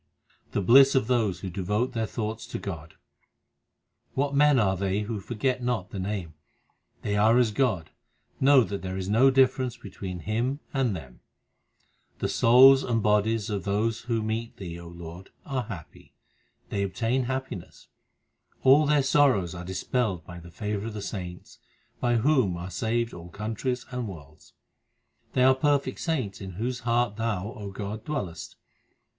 The bliss of those who devote their thoughts to Godr What men are they who forget not the Name ? They are as God ; know that there is no difference be tween Him and them. The souls and bodies of those who meet Thee, O Lord, are happy. They obtain happiness ; all their sorrows are dispelled by the favour of the saints, By whom are saved all countries and worlds. They are perfect saints in whose hearts Thou, O God, dwellest.